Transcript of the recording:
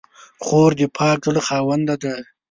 خور د پاک زړه خاوندې ده.